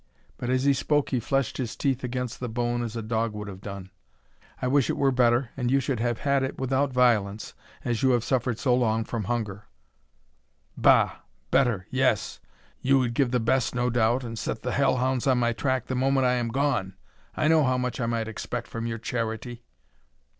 But as he spoke he fleshed his teeth against the bone as a dog would have done. "It is the best I have," she said; "I wish it were better, and you should have had it without violence, as you have suffered so long from hunger." "Bah! Better; yes! You would give the best no doubt, and set the hell hounds on my track the moment I am gone. I know how much I might expect from your charity."